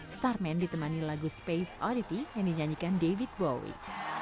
stairman ditemani lagu space oddity yang dinyanyikan david bowie